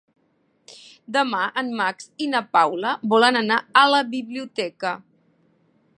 Demà en Max i na Paula volen anar a la biblioteca.